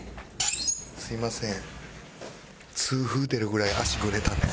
すみません。